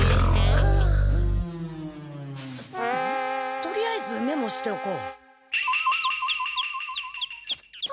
とりあえずメモしておこう。